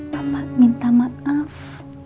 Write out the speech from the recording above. bapak minta maaf